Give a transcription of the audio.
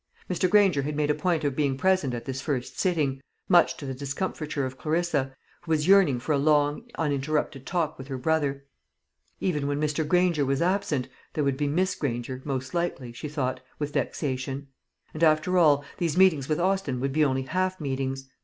Mr. Granger had made a point of being present at this first sitting, much to the discomfiture of Clarissa, who was yearning for a long uninterrupted talk with her brother. Even when Mr. Granger was absent, there would be Miss Granger, most likely, she thought, with vexation; and, after all, these meetings with Austin would be only half meetings.